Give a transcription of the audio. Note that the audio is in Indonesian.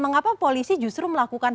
mengapa polisi justru melakukan